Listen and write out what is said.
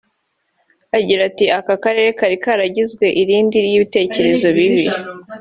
Agira ati “Aka karere kari karagizwe indiri y’ibitekerezo bibi